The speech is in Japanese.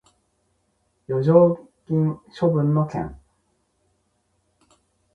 剰余金処分の件